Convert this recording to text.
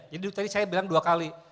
jadi tadi saya bilang dua kali